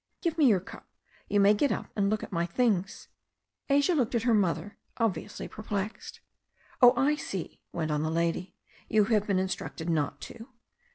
Give me your cup. You may get up and look at my things." Asia looked at her mother, obviously perplexed. "Oh, I see," went on the old lady, "you have been in structed not to.